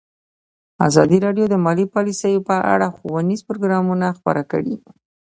ازادي راډیو د مالي پالیسي په اړه ښوونیز پروګرامونه خپاره کړي.